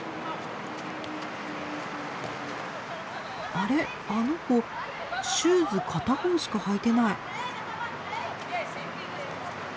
あれあの子シューズ片方しかはいてない。